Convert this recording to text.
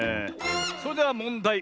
それではもんだい。